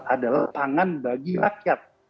adalah pangan bagi rakyat